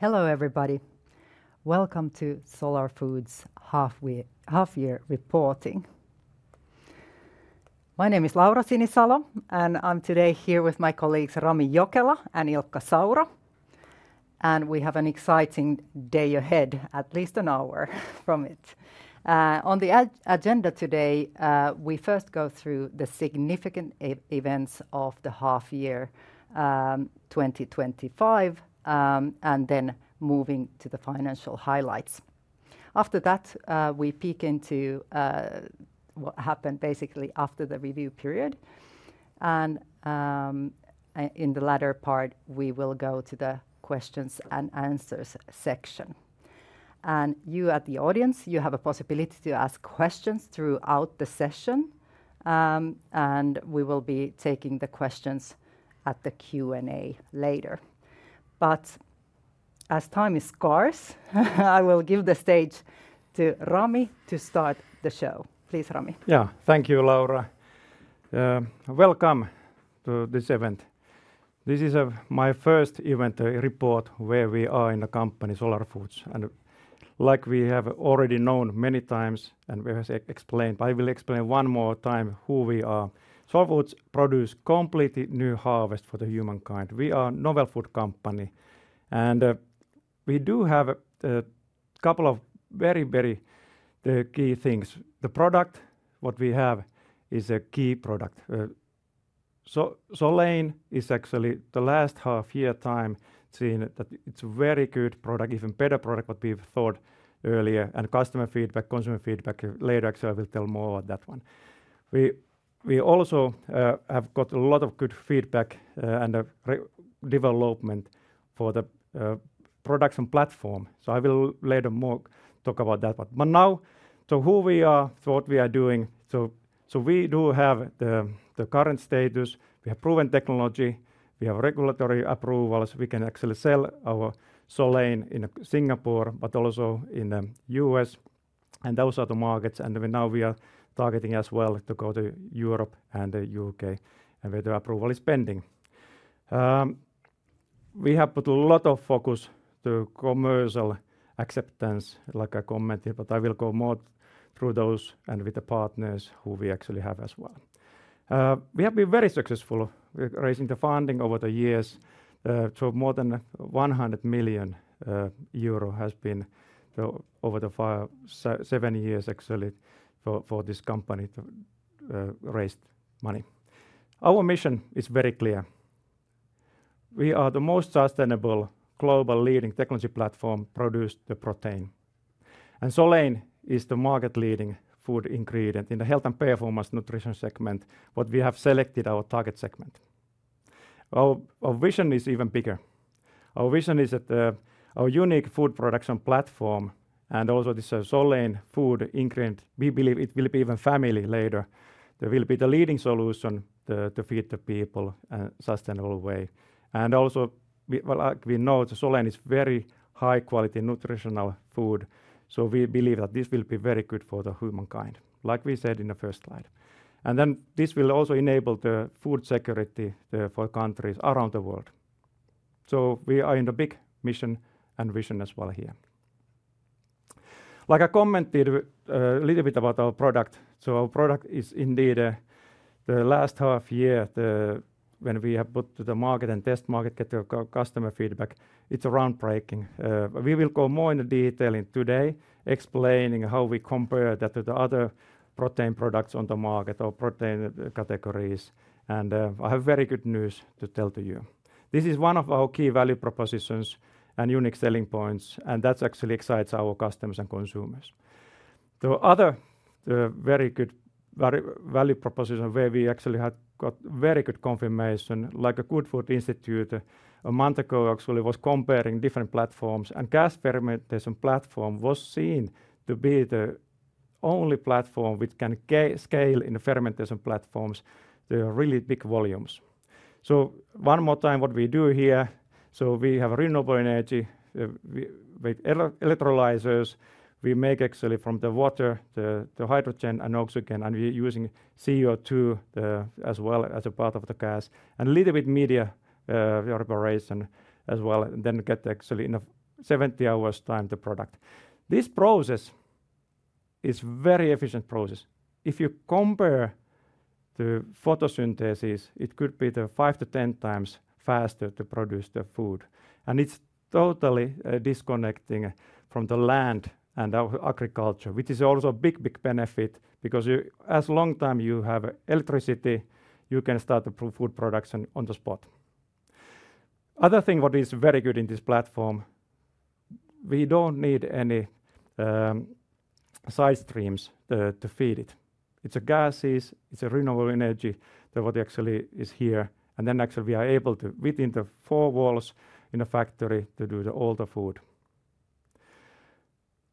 Hello everybody, welcome to Solar Foods' half-year reporting. My name is Laura Sinisalo, and I'm today here with my colleagues Rami Jokela and Ilkka Saura. We have an exciting day ahead, at least an hour from it. On the agenda today, we first go through the significant events of the half-year 2025, and then move into the financial highlights. After that, we peek into what happened basically after the review period. In the latter part, we will go to the questions and answers section. You in the audience, you have a possibility to ask questions throughout the session. We will be taking the questions at the Q&A later. As time is scarce, I will give the stage to Rami to start the show. Please, Rami. Yeah, thank you, Laura. Welcome to this event. This is my first event report where we are in the company, Solar Foods. Like we have already known many times, and we have explained, I will explain one more time who we are. Solar Foods produces a completely new harvest for the humankind. We are a novel food company. We do have a couple of very, very key things. The product, what we have, is a key product. Solein is actually the last half-year time seen that it's a very good product, even better product than what we thought earlier. Customer feedback, consumer feedback, later actually I will tell more about that one. We also have got a lot of good feedback and development for the products and platforms. I will later more talk about that one. Now, who we are, what we are doing. We do have the current status. We have proven technology. We have regulatory approvals. We can actually sell our Solein in Singapore, but also in the U.S. and those other markets. Now we are targeting as well to go to Europe and the U.K. We do have properly spending. We have put a lot of focus to commercial acceptance, like I commented. I will go more through those and with the partners who we actually have as well. We have been very successful raising the funding over the years. More than 100 million euro has been over the five seven years actually for this company to raise money. Our mission is very clear. We are the most sustainable global leading technology platform produced the protein. Solein is the market-leading food ingredient in the health and performance nutrition segment, what we have selected our target segment. Our vision is even bigger. Our vision is that our unique food production platform and also this Solein food ingredient, we believe it will be even family later. There will be the leading solution to feed the people in a sustainable way. Also, like we know, Solein is very high-quality nutritional food. We believe that this will be very good for the humankind, like we said in the first slide. This will also enable the food security for countries around the world. We are in a big mission and vision as well here. Like I commented a little bit about our product. Our product is indeed the last half year when we have put to the market and test market, get customer feedback. It's a groundbreaking. We will go more in detail today, explaining how we compare that to the other protein products on the market or protein categories. I have very good news to tell to you. This is one of our key value propositions and unique selling points. That actually excites our customers and consumers. The other very good value proposition where we actually had got very good confirmation, like a Good Food Institute, a month ago actually was comparing different platforms. Gas fermentation platform was seen to be the only platform which can scale in fermentation platforms, the really big volumes. One more time, what we do here, we have renewable energy with electrolyzers. We make actually from the water the hydrogen and oxygen. We're using CO₂ as well as a part of the gas. A little bit media reparation as well. Then get actually in a 70 hours time to product. This process is a very efficient process. If you compare to photosynthesis, it could be the five to ten times faster to produce the food. It's totally disconnecting from the land and our agriculture, which is also a big, big benefit. As long as you have electricity, you can start the food production on the spot. Other thing what is very good in this platform, we don't need any side streams to feed it. It's a gases, it's a renewable energy that what actually is here. Then actually we are able to, within the four walls in a factory, to do all the food.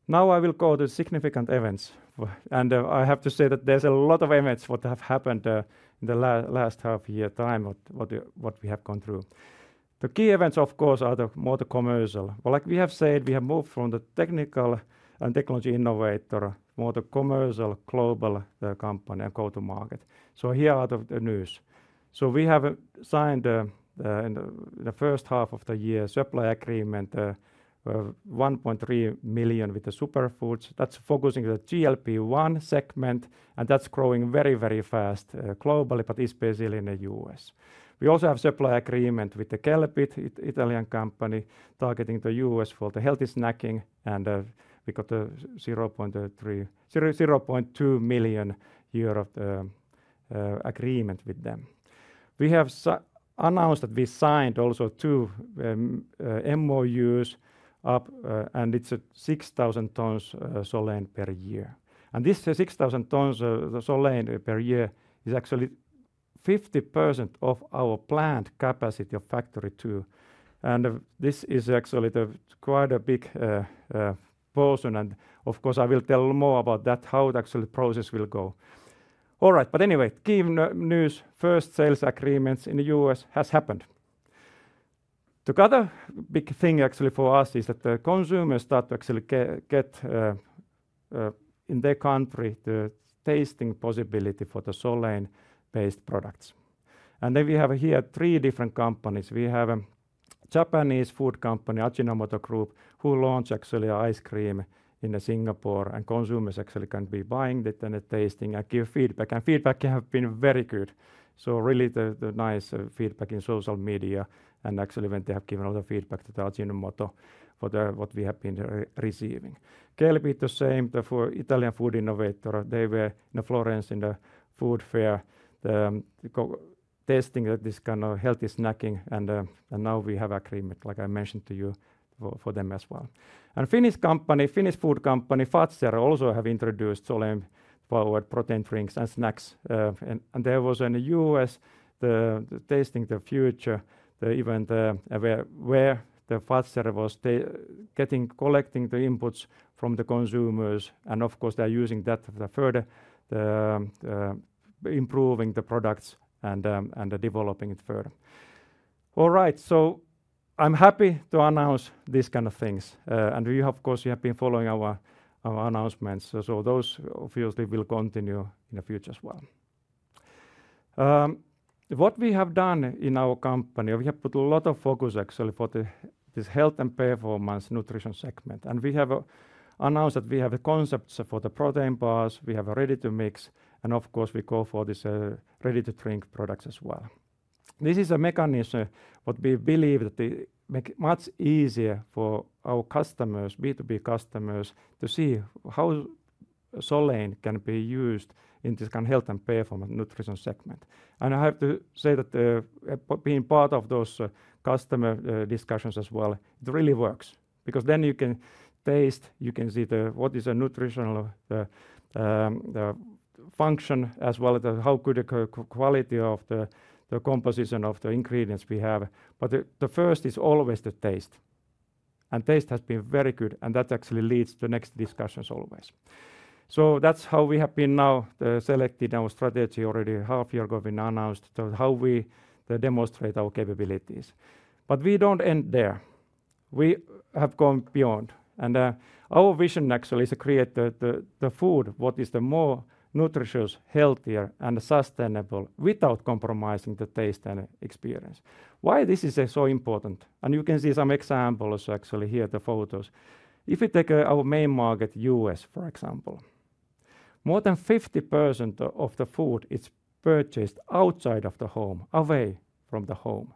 Now I will go to significant events. I have to say that there's a lot of events that have happened in the last half year time what we have gone through. The key events, of course, are the motor commercial. Like we have said, we have moved from the technical and technology innovator motor commercial global company and go to market. Here are the news. We have signed in the first half of the year supply agreement 1.3 million with Superb Food. That's focusing on the GLP-1 segment. That's growing very, very fast globally, but especially in the U.S. We also have supply agreement with KelpEat, Italian company, targeting the U.S. for the healthy snacking. We got 0.2 million euro agreement with them. We have announced that we signed also two MOUs up. It's 6,000 tons Solein per year. This 6,000 tons Solein per year is actually 50% of our plant capacity of Factory 02. This is actually quite a big portion. I will tell more about that, how the actual process will go. All right, but anyway, key news, first sales agreements in the U.S. have happened. Together a big thing actually for us is that the consumers start to actually get in their country the tasting possibility for the Solein-based products. We have here three different companies. We have a Japanese food company, Ajinomoto Group, who launched actually ice cream in Singapore. Consumers actually can be buying it and tasting and give feedback. Feedback has been very good. Really the nice feedback in social media. Actually when they have given a lot of feedback to Ajinomoto for what we have been receiving. KelpEat the same for Italian food innovator. They were in Florence in the food fair testing that this kind of healthy snacking. Now we have agreement, like I mentioned to you, for them as well. Finnish company, Finnish food company, Fazer also have introduced Solein for protein drinks and snacks. There was in the U.S. the Tasting the Future event where Fazer was collecting the inputs from the consumers. Of course, they're using that further, improving the products and developing it further. All right, I'm happy to announce these kind of things. Of course, we have been following our announcements. Those obviously will continue in the future as well. What we have done in our company, we have put a lot of focus actually for this health and performance nutrition segment. We have announced that we have a concept for the protein bars. We have a ready-to-mix. Of course, we go for these ready-to-drink products as well. This is a mechanism what we believe that makes much easier for our customers, B2B customers, to see how Solein can be used in this kind of health and performance nutrition segment. I have to say that being part of those customer discussions as well, it really works. Because then you can taste, you can see what is the nutritional function as well as how good the quality of the composition of the ingredients we have. The first is always the taste. Taste has been very good. That actually leads to next discussions always. That's how we have been now selecting our strategy already half a year ago when I announced how we demonstrate our capabilities. We don't end there. We have gone beyond. Our vision actually is to create the food what is the more nutritious, healthier, and sustainable without compromising the taste and experience. Why this is so important, and you can see some examples actually here in the photos. If you take our main market, U.S., for example, more than 50% of the food is purchased outside of the home, away from the home.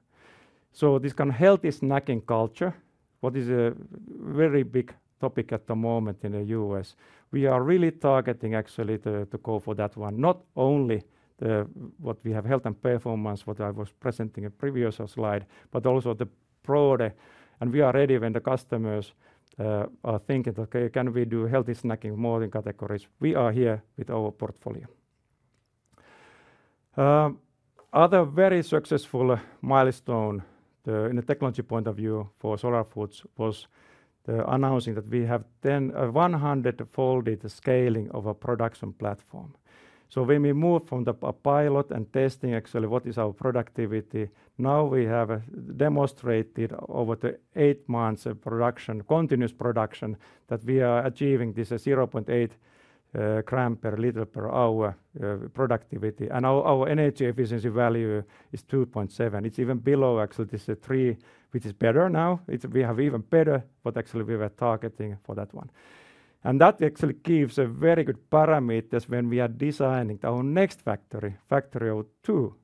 This kind of healthy snacking culture, which is a very big topic at the moment in the U.S., we are really targeting actually to go for that one. Not only what we have health and performance, what I was presenting in a previous slide, but also the product. We are ready when the customers are thinking, okay, can we do healthy snacking more than categories? We are here with our portfolio. Another very successful milestone in the technology point of view for Solar Foods was the announcing that we have done a 100-fold scaling of our production platform. When we move from the pilot and testing actually what is our productivity, now we have demonstrated over the eight months of production, continuous production, that we are achieving this 0.8 gram per liter per hour productivity. Our energy efficiency value is 2.7. It's even below actually this three, which is better now. We have even better what actually we were targeting for that one. That actually gives a very good parameter when we are designing our next factory, Factory 02.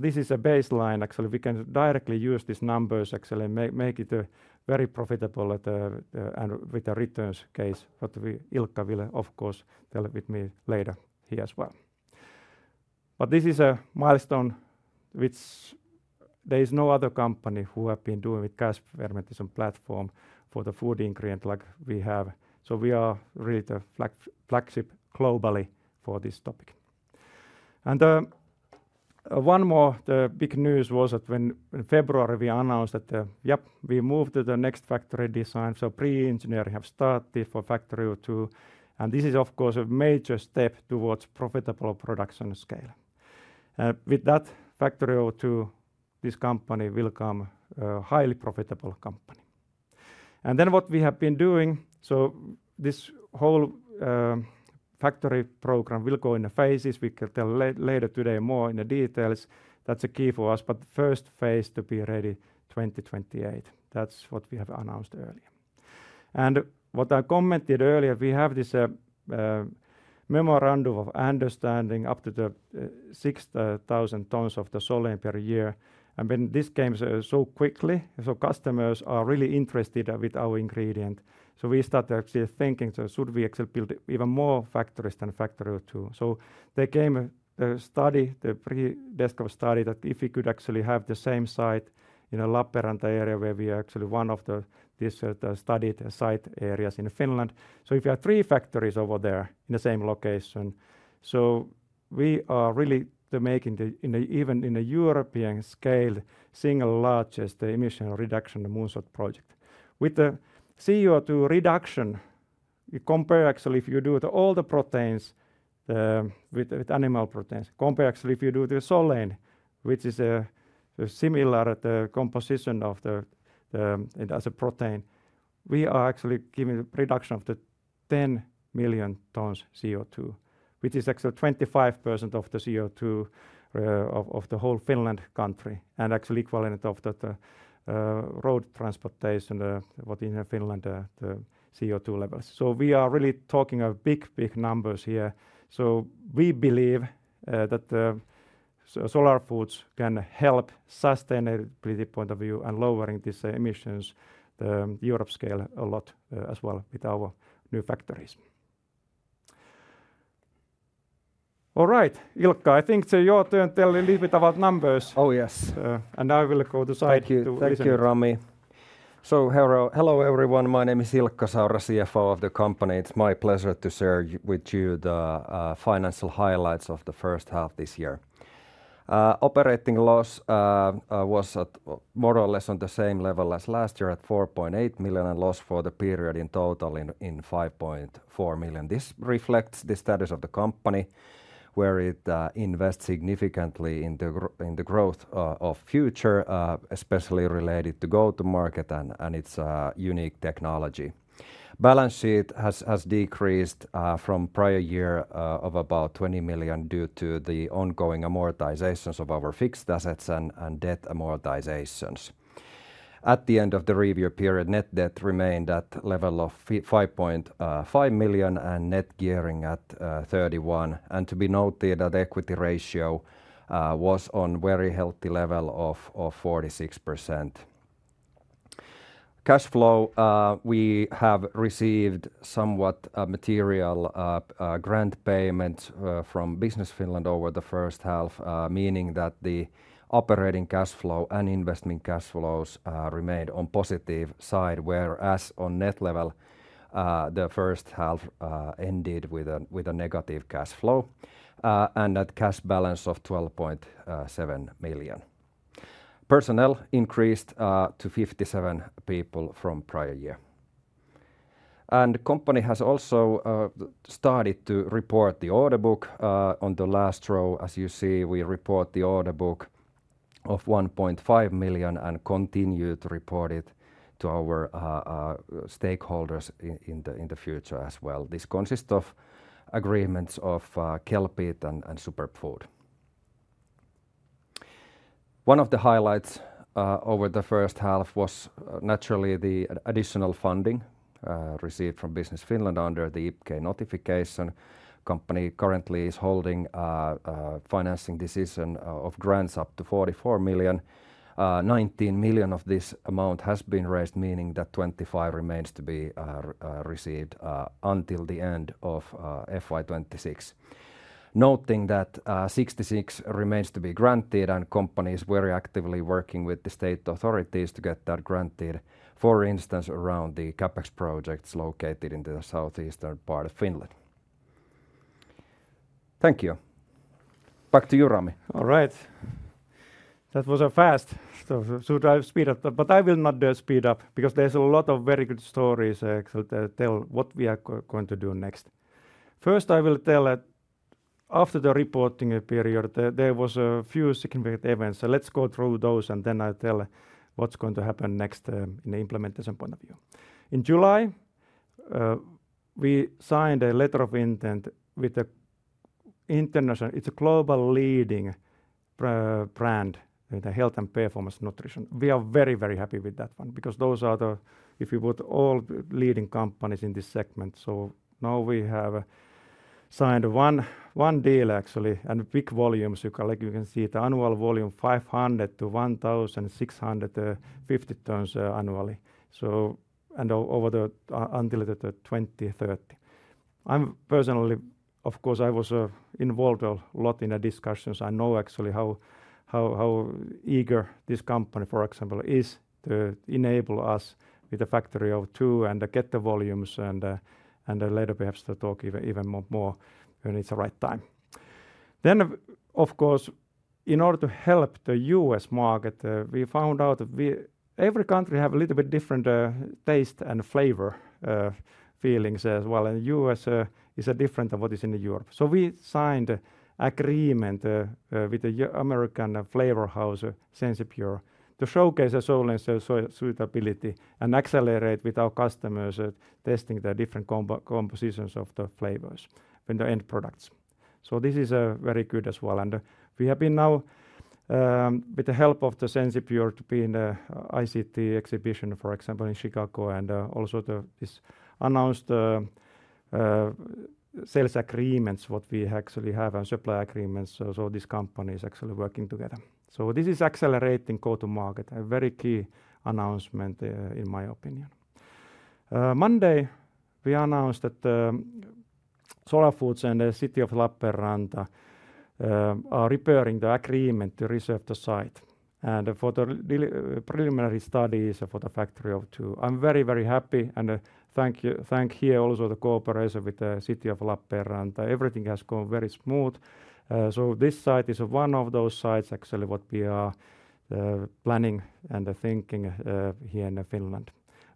This is a baseline actually. We can directly use these numbers actually and make it very profitable and with a returns case, which Ilkka will of course tell with me later here as well. This is a milestone which there is no other company who has been doing with gas fermentation platform for the food ingredient like we have. We are really the flagship globally for this topic. One more big news was that in February we announced that, yep, we moved to the next factory design. Pre-engineering has started for Factory 02. This is of course a major step towards profitable production scale. With that Factory 02, this company will become a highly profitable company. What we have been doing, this whole factory program will go in the phases. We can tell later today more in the details. That's a key for us. The first phase to be ready 2028. That's what we have announced earlier. What I commented earlier, we have this memorandum of understanding up to the 6,000 tons of the Solein per year. When this came so quickly, customers are really interested with our ingredient. We started actually thinking, should we actually build even more factories than Factory 02? They came to study the pre-desktop study that if you could actually have the same site in a Lappeenranta area where we are actually one of the studied site areas in Finland. If you have three factories over there in the same location, we are really making even in a European scale single largest emission reduction in the Moonshot project. With the CO₂ reduction, you compare actually if you do all the proteins with animal proteins. Compare actually if you do the Solein, which is a similar composition of the protein. We are actually giving a reduction of the 10 million tons CO₂, which is actually 25% of the CO₂ of the whole Finland country, and actually equivalent of the road transportation in Finland CO₂ levels. We are really talking of big, big numbers here. We believe that Solar Foods can help sustainability point of view and lowering these emissions Europe scale a lot as well with our new factories. All right, Ilkka, I think you're going to tell a little bit about numbers. Oh yes. I will go to the slide. Thank you, Rami. Hello everyone. My name is Ilkka Saura, CFO of the company. It's my pleasure to share with you the financial highlights of the first half this year. Operating loss was at more or less on the same level as last year at 4.8 million, and loss for the period in total is 5.4 million. This reflects the status of the company where it invests significantly in the growth of future, especially related to go-to-market and its unique technology. Balance sheet has decreased from prior year of about 20 million due to the ongoing amortizations of our fixed assets and debt amortizations. At the end of the review period, net debt remained at a level of 5.5 million and net gearing at 31%. To be noted, the equity ratio was on a very healthy level of 46%. Cash flow, we have received somewhat material grant payments from Business Finland over the first half, meaning that the operating cash flow and investment cash flows remained on the positive side, whereas on net level, the first half ended with a negative cash flow and that cash balance of 12.7 million. Personnel increased to 57 people from prior year. The company has also started to report the order book on the last row. As you see, we report the order book of 1.5 million and continue to report it to our stakeholders in the future as well. This consists of agreements of KelpEat and Superb Food. One of the highlights over the first half was naturally the additional funding received from Business Finland under the IPK notification. The company currently is holding a financing decision of grants up to 44 million. 19 million of this amount has been raised, meaning that 25 million remains to be received until the end of FY 2026. Noting that 66 million remains to be granted and company is very actively working with the state authorities to get that granted, for instance, around the CapEx projects located in the southeastern part of Finland. Thank you. Back to you, Rami. All right. That was fast. Should I speed up? I will not do a speed up because there's a lot of very good stories to tell about what we are going to do next. First, I will tell that after the reporting period, there were a few significant events. Let's go through those and then I'll tell what's going to happen next from the implementation point of view. In July, we signed a letter of intent with an international, it's a global leading brand in health and performance nutrition. We are very, very happy with that one because those are the, if you put all leading companies in this segment, now we have signed one deal actually and big volumes. You can see the annual volume: 500-1,650 tons annually and over until 2030. I'm personally, of course, I was involved a lot in the discussions. I know actually how eager this company, for example, is to enable us with Factory 02 and get the volumes and later, we have to talk even more when it's the right time. In order to help the U.S. market, we found out that every country has a little bit different taste and flavor feelings as well. The U.S. is different than what is in Europe. We signed an agreement with the American flavor house, Sensapure, to showcase the Solein suitability and accelerate with our customers testing the different compositions of the flavors in the end products. This is very good as well. We have been now with the help of Sensapure to be in the ICT exhibition, for example, in Chicago. Also, these announced sales agreements, what we actually have, and supply agreements, this company is actually working together. This is accelerating go-to-market, a very key announcement in my opinion. Monday, we announced that Solar Foods and the city of Lappeenranta are preparing the agreement to reserve the site and for the preliminary studies for Factory 02. I'm very, very happy and thank here also the cooperation with the city of Lappeenranta. Everything has gone very smooth. This site is one of those sites actually that we are planning and thinking here in Finland.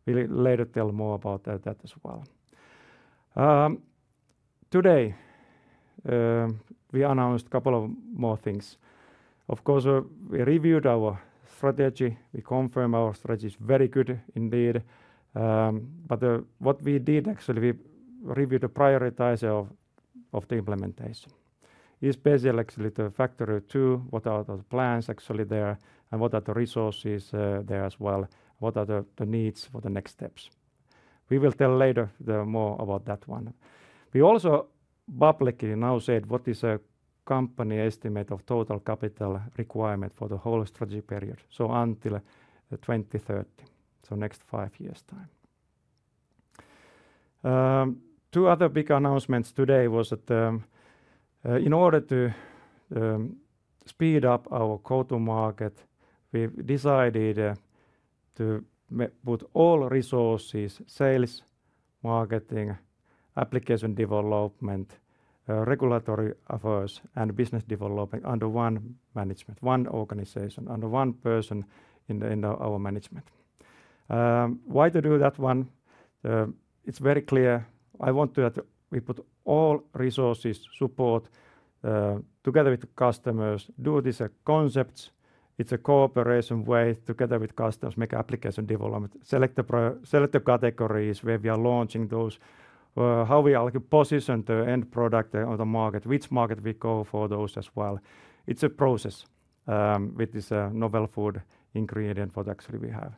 We will later tell more about that as well. Today, we announced a couple of more things. Of course, we reviewed our strategy. We confirmed our strategy is very good indeed. What we did actually, we reviewed the prioritization of the implementation. Especially actually the Factory 02, what are the plans actually there and what are the resources there as well? What are the needs for the next steps? We will tell later more about that one. We also publicly now said what is the company estimate of total capital requirement for the whole strategy period, so until 2030, so next five years' time. Two other big announcements today was that in order to speed up our go-to-market, we decided to put all resources, sales, marketing, application development, regulatory affairs, and business development under one management, one organization, under one person in our management. Why to do that one? It's very clear. I want to put all resources, support together with the customers, do these concepts. It's a cooperation way together with customers, make application development, select the categories where we are launching those, how we are positioned to end product on the market, which market we go for those as well. It's a process with this novel food ingredient products we have.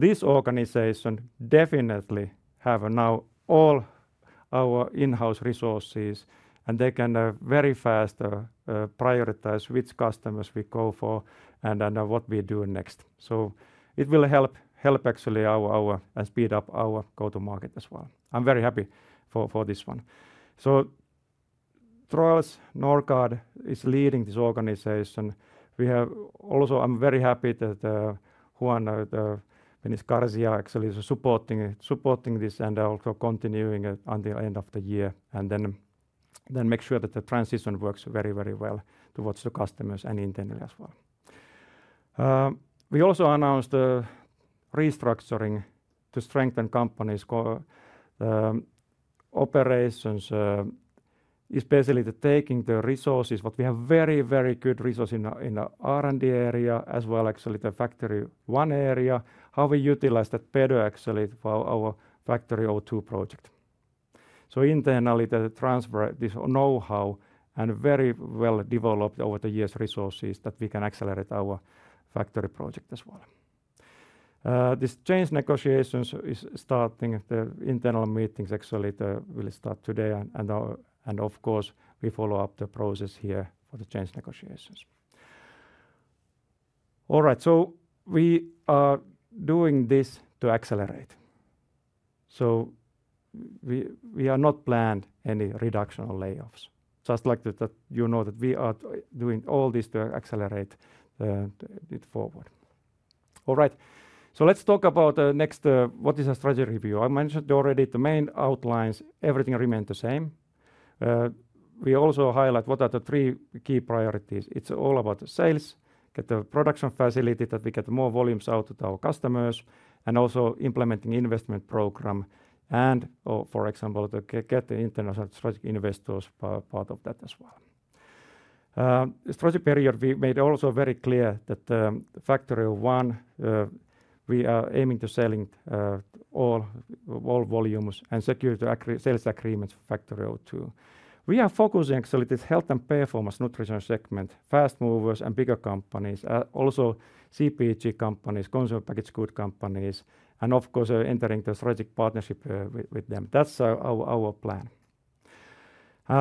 This organization definitely has now all our in-house resources, and they can very fast prioritize which customers we go for and what we do next. It will help actually speed up our go-to-market as well. I'm very happy for this one. So Trells Norcard is leading this organization. I'm very happy that Juan and his Garcia actually supporting this and also continuing until the end of the year. Then make sure that the transition works very, very well towards the customers and intended as well. We also announced restructuring to strengthen company's operations, especially taking the resources, what we have very, very good resources in the R&D area as well as the Factory 01 area, how we utilize that better actually for our Factory 02 project. Internally to transfer this know-how and very well developed over the years resources that we can accelerate our factory project as well. This change negotiations is starting after internal meetings actually will start today. Of course, we follow up the process here for the change negotiations. We are doing this to accelerate. We have not planned any reduction or layoffs. Just like that you know that we are doing all this to accelerate it forward. Let's talk about the next what is a strategy review. I mentioned already the main outlines, everything remained the same. We also highlight what are the three key priorities. It's all about sales, get the production facility that we get more volumes out to our customers, and also implementing the investment program. For example, to get the international investors part of that as well. The strategy period we made also very clear that Factory 01, we are aiming to sell all volumes and secure the sales agreements for Factory 02. We are focusing actually this health and performance nutrition segment, fast movers and bigger companies, also CPG companies, consumer packaged goods companies, and of course entering the strategic partnership with them. That's our plan.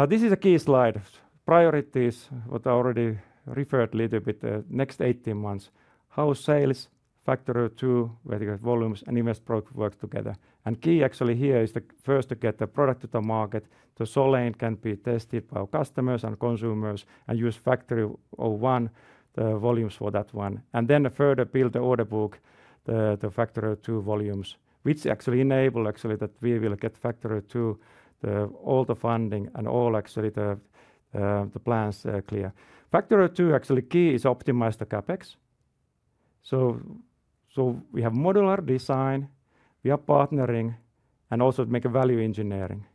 This is a key slide. Priorities what I already referred a little bit, the next 18 months, how sales, Factory 02, where the volumes and investment work together. Key actually here is the first to get the product to the market, so Solein can be tested by our customers and consumers and use Factory 01 volumes for that one. Then further build the order book, the Factory 02 volumes, which actually enable that we will get Factory 02, all the funding and all actually the plans clear. Factory 02 actually key is optimize the CapEx. We have modular design, we are partnering, and also make a value engineering.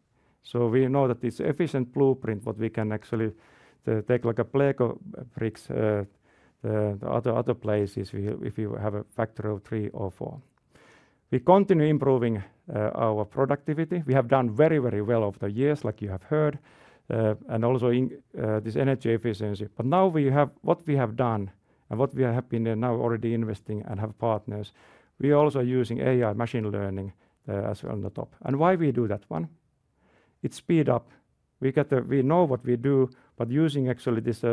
We know that this efficient blueprint what we can actually take like a play of bricks to other places if you have a Factory 03 or 04. We continue improving our productivity. We have done very, very well over the years like you have heard. Also this energy efficiency. Now we have what we have done and what we have been now already investing and have partners. We are also using AI machine learning as well on the top. Why we do that one? It speeds up. We know what we do, but using actually these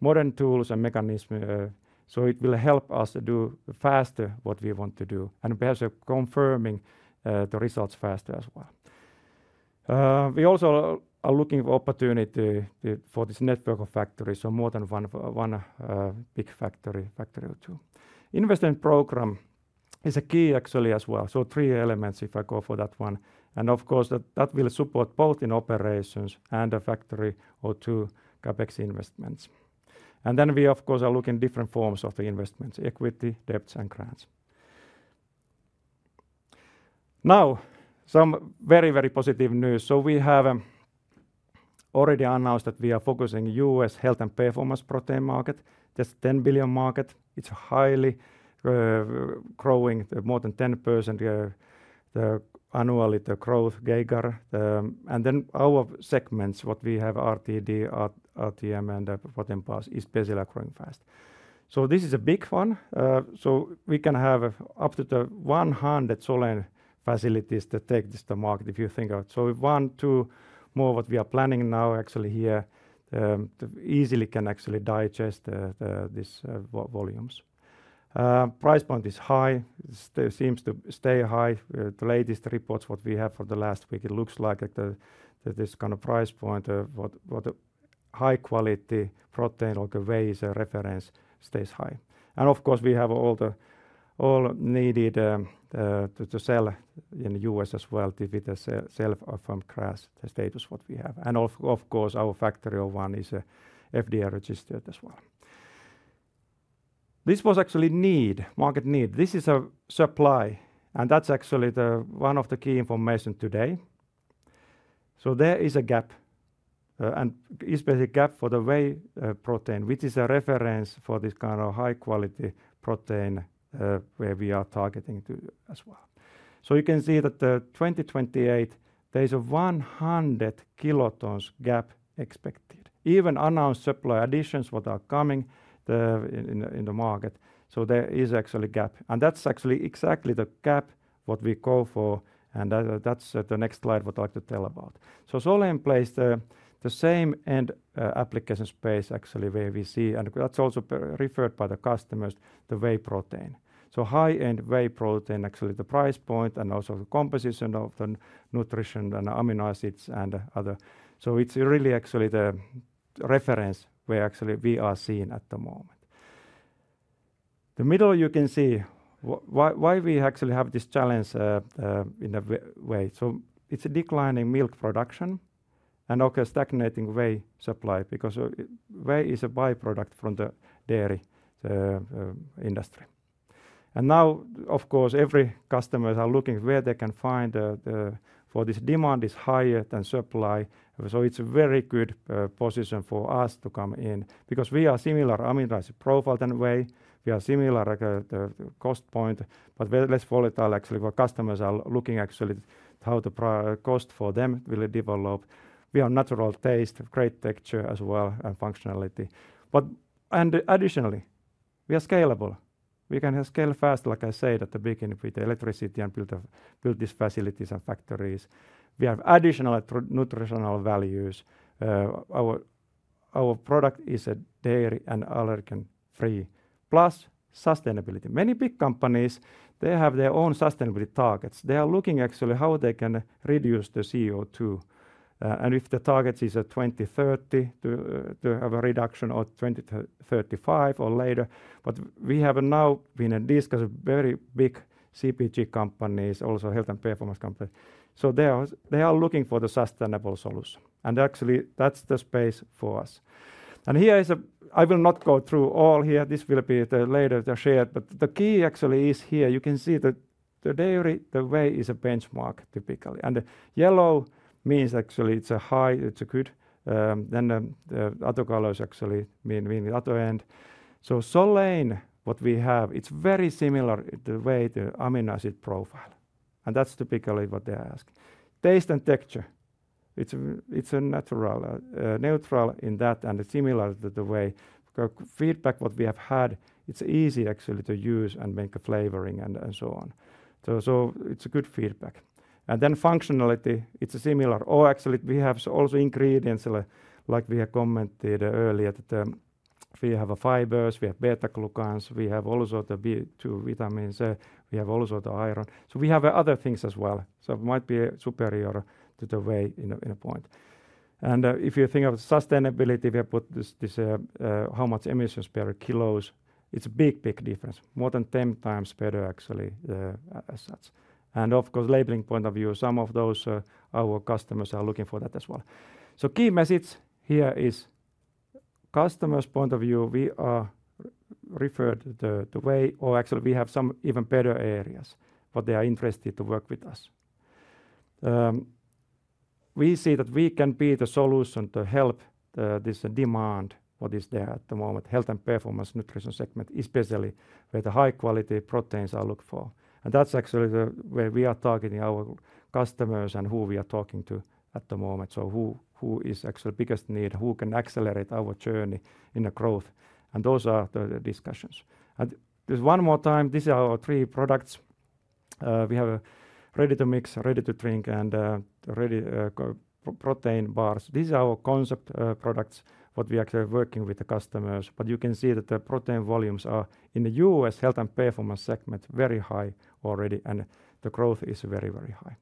modern tools and mechanisms. It will help us to do faster what we want to do and better confirming the results faster as well. We also are looking for opportunity for this network of factories. More than one big factory, Factory 02. Investment program is a key actually as well. Three elements if I go for that one. Of course that will support both in operations and the Factory 02 CapEx investments. We of course are looking at different forms of investments, equity, debts, and grants. Now some very, very positive news. We have already announced that we are focusing on the U.S. health and performance protein market. There's a $10 billion market. It's highly growing, more than 10% annually growth. Our segments, what we have RTD, RTM, and protein bars, are basically growing fast. This is a big one. We can have up to 100 Solein facilities to take this to market if you think about it. We want to more what we are planning now actually here to easily can actually digest these volumes. Price point is high. It seems to stay high. The latest reports we have for the last week, it looks like this kind of price point of what high quality protein or the whey reference stays high. Of course, we have all needed to sell in the U.S. as well with the self-affirmed GRAS status we have. Our Factory 01 is FDA registered as well. This was actually need, market need. This is a supply. That is actually one of the key information today. There is a gap, and especially a gap for the whey protein, which is a reference for this kind of high quality protein where we are targeting to as well. You can see that in 2028, there is a 100 kilotons gap expected, even with announced supply additions that are coming in the market. There is actually a gap, and that is exactly the gap we go for. That is the next slide I like to tell about. Solein plays the same end application space actually where we see, and that is also preferred by the customers, the whey protein. High-end whey protein, actually the price point and also the composition of the nutrition and amino acids and other. It is really actually the reference where actually we are seen at the moment. The middle you can see why we actually have this challenge in the whey. It is a declining milk production and also stagnating whey supply because whey is a byproduct from the dairy industry. Now, of course, every customer is looking where they can find the for this demand is higher than supply. It is a very good position for us to come in because we are similar amino acid profile than whey. We are similar at the cost point, but less volatile actually where customers are looking actually how to cost for them will develop. We are natural taste, great texture as well and functionality. Additionally, we are scalable. We can scale fast like I said at the beginning with the electricity and build these facilities and factories. We have additional nutritional values. Our product is dairy and allergen-free. Plus sustainability. Many big companies, they have their own sustainability targets. They are looking actually how they can reduce the CO₂. If the target is 2030 to have a reduction or 2035 or later, we have now been discussing very big CPG companies, also health and performance companies. They are looking for the sustainable solution. Actually, that's the space for us. Here is a, I will not go through all here. This will be later shared. The key actually is here. You can see that the dairy, the whey is a benchmark typically. Yellow means actually it's a high, it's a good. The other colors actually mean the other end. Solein, what we have, it's very similar in the way to amino acid profile. That's typically what they ask. Taste and texture, it's a natural, neutral in that and similar to the whey. Feedback what we have had, it's easy actually to use and make a flavoring and so on. It's a good feedback. Functionality, it's a similar. We have also ingredients like we have commented earlier that we have fibers, we have beta glucans, we have also the B2 vitamins, we have also the iron. We have other things as well. It might be superior to the whey in a point. If you think of sustainability, we have put this, how much emissions per kilos. It's a big, big difference. More than 10x better actually. Of course, labeling point of view, some of those our customers are looking for that as well. Key message here is customers' point of view, we are referred to the whey, or actually we have some even better areas where they are interested to work with us. We see that we can be the solution to help this demand for this there at the moment, health and performance nutrition segment, especially with the high quality proteins I look for. That's actually where we are targeting our customers and who we are talking to at the moment. Who is actually the biggest need, who can accelerate our journey in the growth. Those are the discussions. There's one more time, these are our three products. We have a ready-to-mix, ready-to-drink, and ready protein bars. These are our concept products what we are actually working with the customers. You can see that the protein volumes are in the U.S. health and performance segment very high already. The growth is very, very high.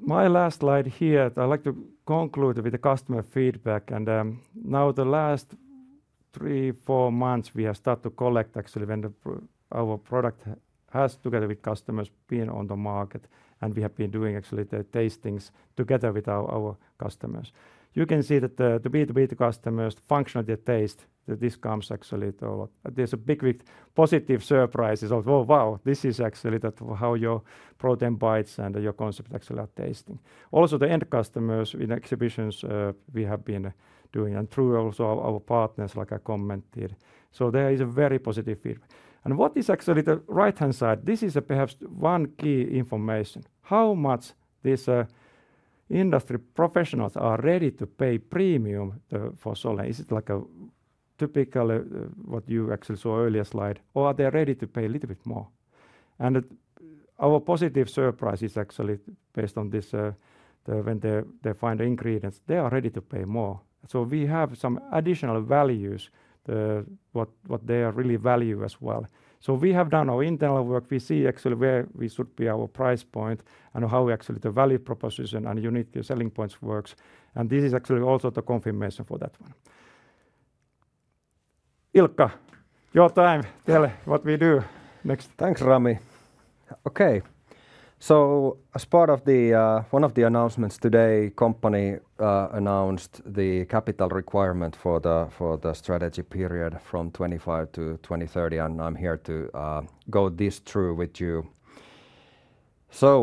My last slide here, I'd like to conclude with the customer feedback. Now the last three, four months, we have started to collect actually when our product has together with customers been on the market. We have been doing actually the tastings together with our customers. You can see that the B2B customers, functional taste that this comes actually to a lot. There's a big positive surprise. It's like, wow, this is actually how your protein bites and your concept actually are tasting. Also, the end customers in exhibitions we have been doing and through also our partners like I commented. There is a very positive feedback. What is actually the right-hand side? This is perhaps one key information. How much these industry professionals are ready to pay premium for Solein? Is it like a typical what you actually saw earlier slide? Are they ready to pay a little bit more? Our positive surprise is actually based on this, when they find the ingredients, they are ready to pay more. We have some additional values that what they really value as well. We have done our internal work. We see actually where we should be our price point and how actually the value proposition and unique selling points works. This is actually also the confirmation for that one. Ilkka, your time. Tell what we do next. Thanks, Rami. Okay, as part of one of the announcements today, the company announced the capital requirement for the strategy period from 2025 to 2030. I'm here to go this through with you.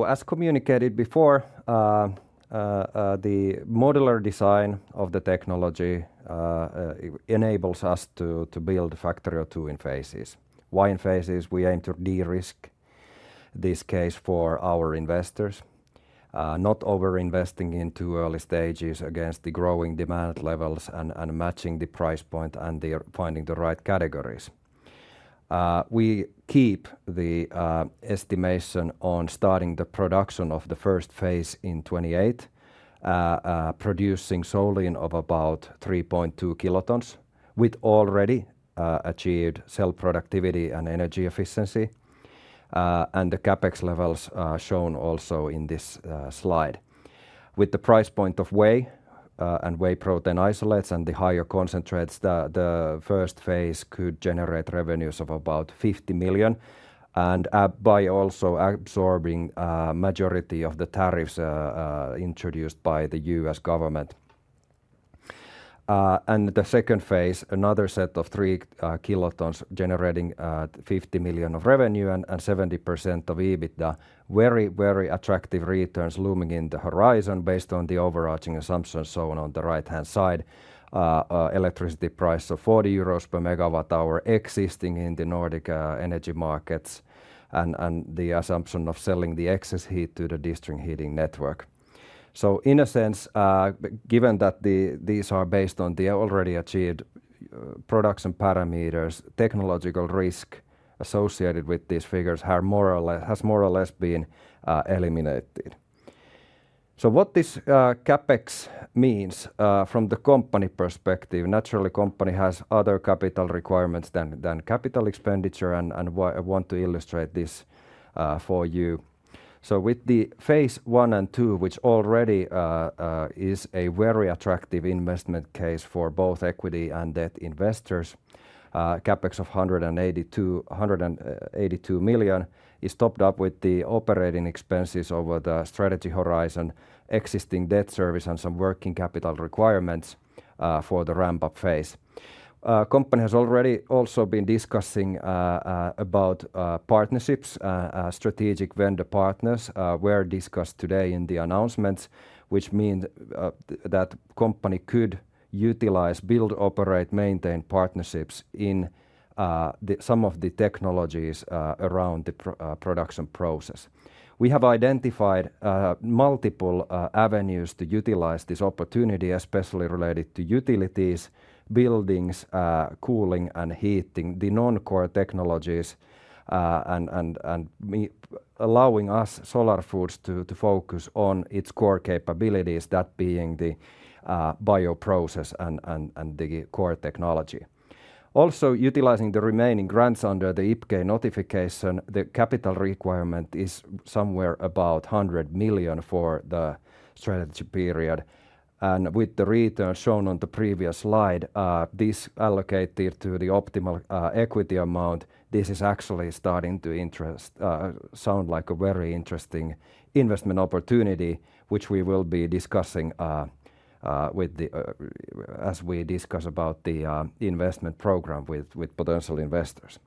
As communicated before, the modular design of the technology enables us to build Factory 02 in phases. Why in phases? We aim to de-risk this case for our investors, not overinvesting in too early stages against the growing demand levels and matching the price point and finding the right categories. We keep the estimation on starting the production of the first phase in 2028, producing Solein of about 3.2 kilotons with already achieved cell productivity and energy efficiency. The CapEx levels are shown also in this slide. With the price point of whey and whey protein isolates and the higher concentrates, the first phase could generate revenues of about 50 million and by also absorbing a majority of the tariffs introduced by the U.S. government. The second phase, another set of 3 kilotons generating 50 million of revenue and 70% of EBITDA, very, very attractive returns looming in the horizon based on the overarching assumptions shown on the right-hand side. Electricity price of 40 euros per MWh existing in the Nordic energy markets and the assumption of selling the excess heat to the district heating network. In a sense, given that these are based on the already achieved production parameters, technological risk associated with these figures has more or less been eliminated. What this CapEx means from the company perspective, naturally the company has other capital requirements than capital expenditure and want to illustrate this for you. With the phase one and two, which already is a very attractive investment case for both equity and debt investors, CapEx of 182 million is topped up with the operating expenses over the strategy horizon, existing debt service, and some working capital requirements for the ramp-up phase. The company has already also been discussing about partnerships, strategic vendor partners were discussed today in the announcements, which means that the company could utilize build-operate-maintain partnerships in some of the technologies around the production process. We have identified multiple avenues to utilize this opportunity, especially related to utilities, buildings, cooling, and heating, the non-core technologies, and allowing us, Solar Foods, to focus on its core capabilities, that being the bioprocess and the core technology. Also, utilizing the remaining grants under the IPK notification, the capital requirement is somewhere about 100 million for the strategy period. With the return shown on the previous slide, this allocated to the optimal equity amount, this is actually starting to sound like a very interesting investment opportunity, which we will be discussing as we discuss about the investment program with potential investors.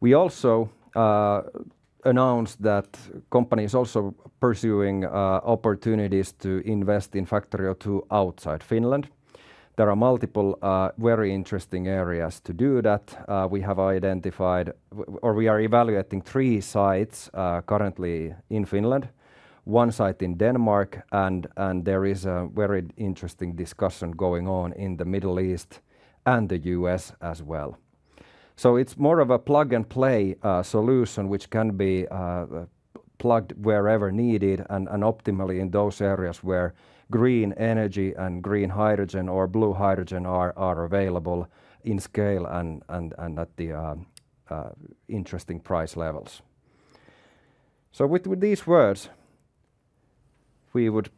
We also announced that the company is also pursuing opportunities to invest in Factory 02 outside Finland. There are multiple very interesting areas to do that. We have identified or we are evaluating three sites currently in Finland, one site in Denmark, and there is a very interesting discussion going on in the Middle East and the U.S. as well. It is more of a plug-and-play solution, which can be plugged wherever needed and optimally in those areas where green energy and green hydrogen or blue hydrogen are available in scale and at the interesting price levels. With these words, we would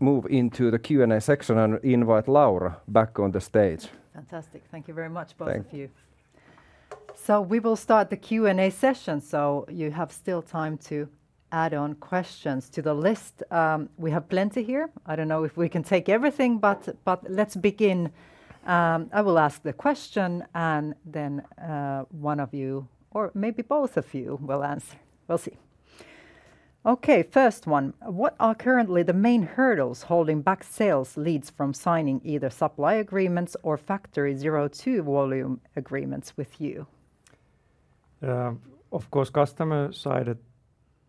move into the Q&A section and invite Laura back on the stage. Fantastic. Thank you very much, both of you. We will start the Q&A session. You have still time to add on questions to the list. We have plenty here. I don't know if we can take everything, but let's begin. I will ask the question and then one of you, or maybe both of you, will answer. We'll see. Okay, first one. What are currently the main hurdles holding back sales leads from signing either supply agreements or factory zero-to-volume agreements with you? Of course, customer side,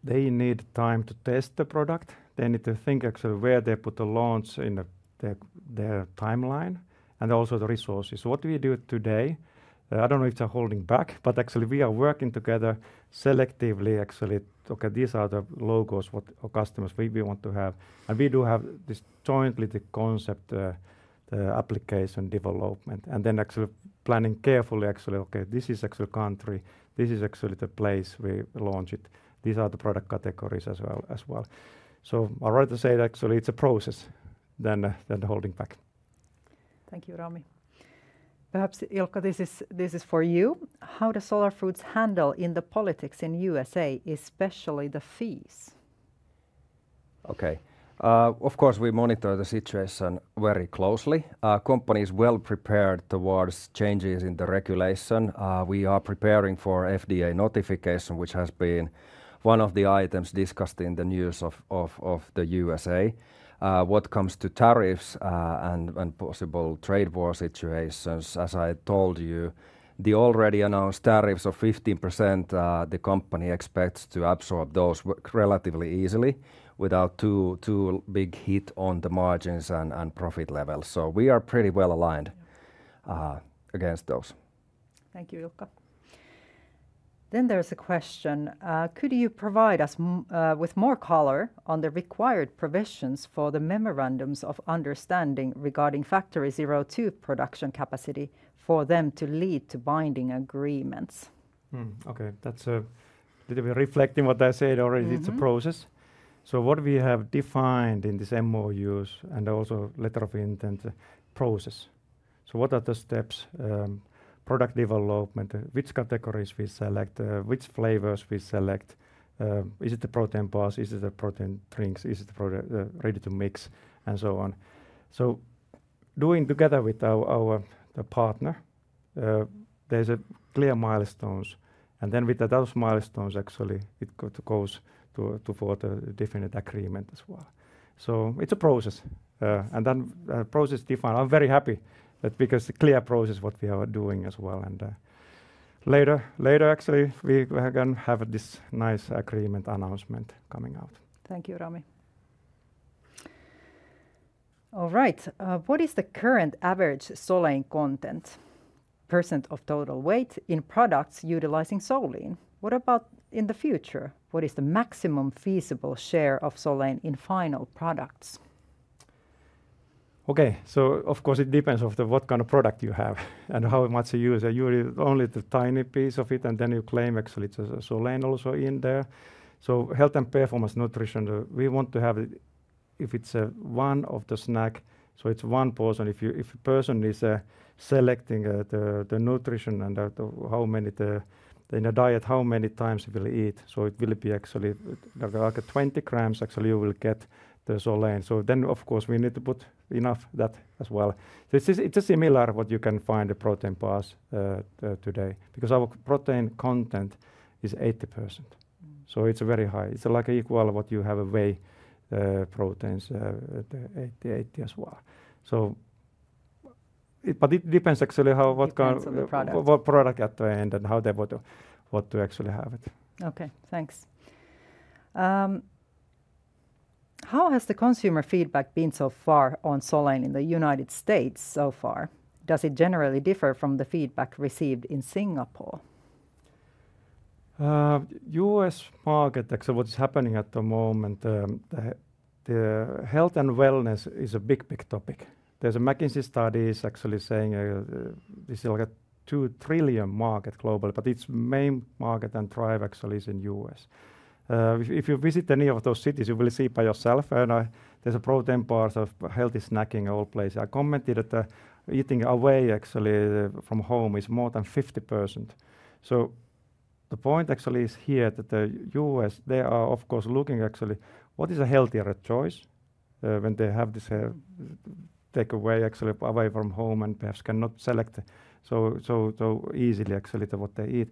they need time to test the product. They need to think actually where they put the loans in their timeline and also the resources. What we do today, I don't know if they're holding back, but actually we are working together selectively. Okay, these are the logos of customers we want to have. We do have this jointly, the concept application development, and then actually planning carefully. Okay, this is actually a country. This is actually the place we launch it. These are the product categories as well. I'd rather say that actually it's a process than holding back. Thank you, Rami. Perhaps, Ilkka, this is for you. How does Solar Foods handle the politics in the U.S., especially the fees? Okay. Of course, we monitor the situation very closely. The company is well prepared towards changes in the regulation. We are preparing for FDA notification, which has been one of the items discussed in the news of the U.S. What comes to tariffs and possible trade war situations, as I told you, the already announced tariffs of 15%, the company expects to absorb those relatively easily without too big hit on the margins and profit levels. We are pretty well aligned against those. Thank you, Ilkka. Could you provide us with more color on the required provisions for the memorandums of understanding regarding Factory 02 production capacity for them to lead to binding agreements? Okay, that's a little bit reflecting what I said already. It's a process. What we have defined in these MOUs and also letter of intent process are the steps: product development, which categories we select, which flavors we select. Is it the protein bars? Is it the protein drinks? Is it the ready-to-mix and so on? Doing together with our partner, there are clear milestones. With those milestones, it actually goes to the definite agreement as well. It's a process, and the process is defined. I'm very happy because it's a clear process, what we are doing as well. Later, actually, we can have this nice agreement announcement coming out. Thank you, Rami. All right. What is the current average Solein content percent of total weight in products utilizing Solein? What about in the future? What is the maximum feasible share of Solein in final products? Okay, so of course it depends on what kind of product you have and how much you use. You only need a tiny piece of it and then you claim actually it's Solein also in there. Health and performance nutrition, we want to have it if it's one of the snacks. It's one person. If a person is selecting the nutrition and how many in the diet, how many times he will eat, it will be actually like 20 grams actually you will get the Solein. Of course, we need to put enough of that as well. It's similar to what you can find in the protein bars today because our protein content is 80%. It's very high. It's like equal what you have in whey proteins, the 80% as well. It depends actually what kind of product at the end and how they want to actually have it. Okay, thanks. How has the consumer feedback been so far on Solein in the United States so far? Does it generally differ from the feedback received in Singapore? U.S. market, actually what is happening at the moment, the health and wellness is a big, big topic. There's a McKinsey study actually saying this is like a $2 trillion market globally, but its main market and drive actually is in the U.S. If you visit any of those cities, you will see by yourself and there's a protein bar of healthy snacking all places. I commented that eating away actually from home is more than 50%. The point actually is here that the U.S., they are of course looking actually what is a healthier choice when they have this takeaway actually away from home and perhaps cannot select so easily actually to what they eat.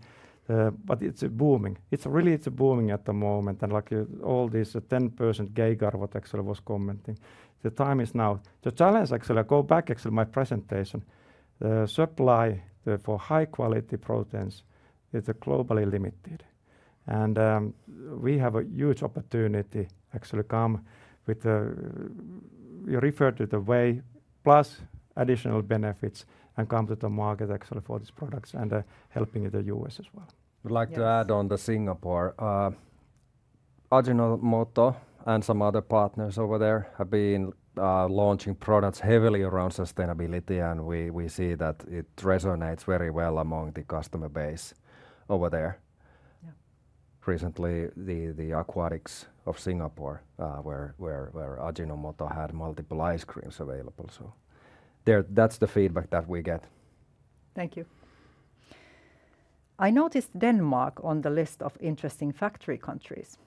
It's booming. It's really, it's booming at the moment and like all this 10% gate guard what actually was commenting. The time is now. The challenge actually, I go back actually to my presentation, the supply for high quality proteins is globally limited. We have a huge opportunity actually come with you refer to the whey plus additional benefits and come to the market actually for these products and helping in the U.S. as well. I'd like to add on the Singapore. Ajinomoto and some other partners over there have been launching products heavily around sustainability, and we see that it resonates very well among the customer base over there. Recently, the Aquatics of Singapore, where Ajinomoto had multiple ice creams available. That's the feedback that we get. Thank you. I noticed Denmark on the list of interesting factory countries.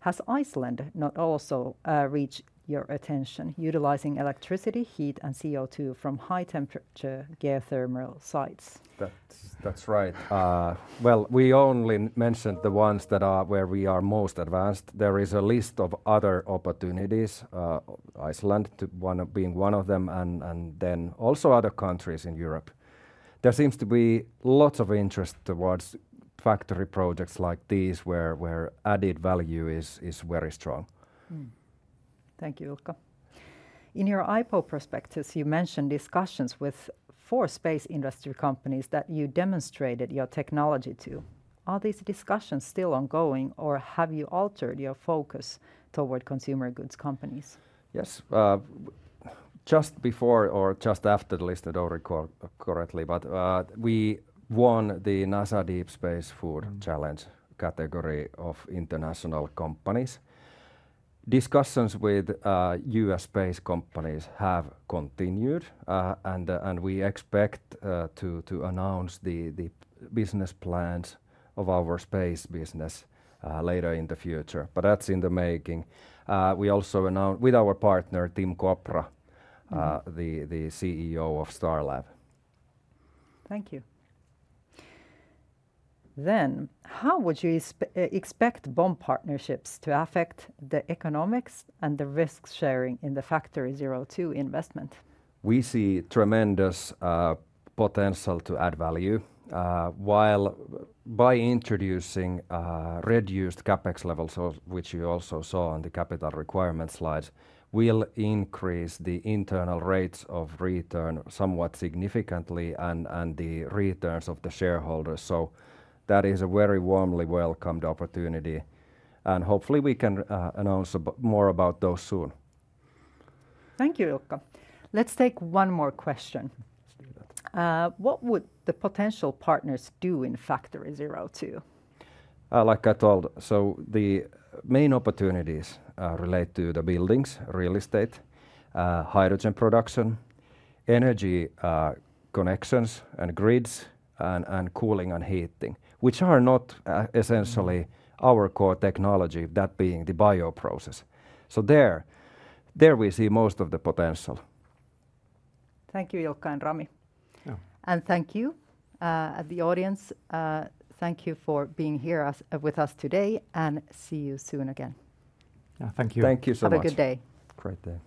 Has Iceland not also reached your attention utilizing electricity, heat, and CO₂ from high temperature geothermal sites? That's right. We only mentioned the ones that are where we are most advanced. There is a list of other opportunities, Iceland being one of them, and then also other countries in Europe. There seems to be lots of interest towards factory projects like these where added value is very strong. Thank you, Ilkka. In your IPO prospectus, you mentioned discussions with four space industry companies that you demonstrated your technology to. Are these discussions still ongoing or have you altered your focus toward consumer goods companies? Yes. Just before or just after the list, I don't recall correctly, but we won the NASA Deep Space Food Challenge category of international companies. Discussions with U.S. space companies have continued and we expect to announce the business plans of our space business later in the future. That's in the making. We also announced with our partner, Tim Kopra, the CEO of Starlab. Thank you. How would you expect build-operate-maintain partnerships to affect the economics and the risk sharing in the Factory 02 investment? We see tremendous potential to add value. By introducing reduced CapEx levels, which you also saw on the capital requirement slides, we'll increase the internal rates of return somewhat significantly and the returns of the shareholders. That is a very warmly welcomed opportunity. Hopefully, we can announce more about those soon. Thank you, Ilkka. Let's take one more question. What would the potential partners do in Factory 02? Like I told, the main opportunities relate to the buildings, real estate, hydrogen production, energy connections and grids, and cooling and heating, which are not essentially our core technology, that being the bioprocess. There, we see most of the potential. Thank you, Ilkka and Rami. Thank you to the audience. Thank you for being here with us today, and see you soon again. Thank you. Thank you so much. Have a good day. Great day.